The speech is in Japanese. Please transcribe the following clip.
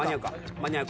間に合うか？